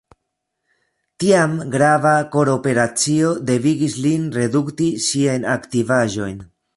Tiam grava kor-operacio devigis lin redukti siajn aktivaĵojn.